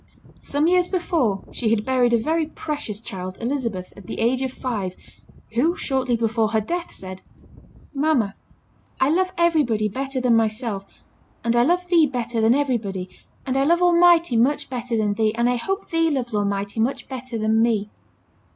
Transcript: Some years before she had buried a very precious child, Elizabeth, at the age of five, who shortly before her death said, "Mamma, I love everybody better than myself, and I love thee better than everybody, and I love Almighty much better than thee, and I hope thee loves Almighty much better than me."